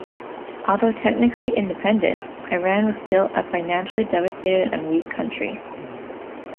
Although technically independent, Iran was still a financially devastated and weak country.